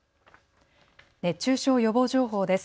熱中症予防情報です。